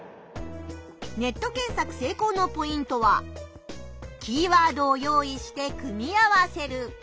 ネット検索せいこうのポイントはキーワードを用意して組み合わせる。